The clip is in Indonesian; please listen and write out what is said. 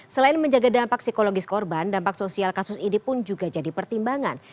selain menjaga dampak psikologis korban dampak sosial kasus ini pun juga jadi pertimbangan